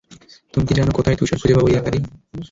তুমি কি জানো, কোথায় তুষার খুঁজে পাব, ইয়াকারি?